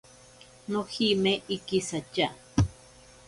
Nojime ikisatya.